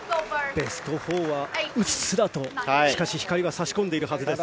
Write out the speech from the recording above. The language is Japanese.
ベスト４はうっすらとしかし、光は差し込んでいるはずです。